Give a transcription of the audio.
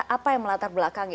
apa yang melatar belakangnya